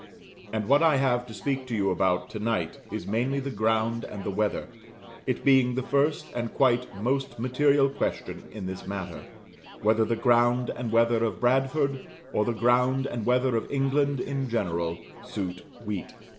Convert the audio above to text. And what I have to speak to you about, tonight, is mainly the ground and the weather, it being the first and quite most material question in this matter, whether the ground and weather of Bradford, or the ground and weather of England in general, suit wheat.